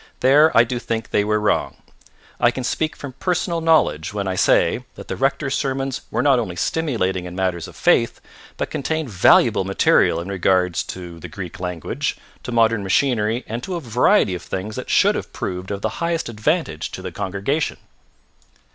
There I do think they were wrong. I can speak from personal knowledge when I say that the rector's sermons were not only stimulating in matters of faith, but contained valuable material in regard to the Greek language, to modern machinery and to a variety of things that should have proved of the highest advantage to the congregation.